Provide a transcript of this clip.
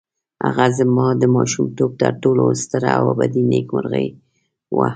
هغه زما د ماشومتوب تر ټولو ستره او ابدي نېکمرغي وه.